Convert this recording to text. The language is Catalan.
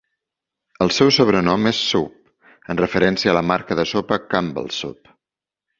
El seu sobrenom és "Soup", en referència a la marca de sopa Campbell's Soup.